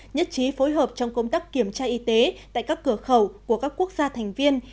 nhất trí phối hợp trong công tác kiểm tra y tế tại các cửa khẩu của các quốc gia thành viên